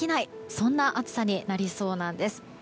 そんな暑さになりそうなんです。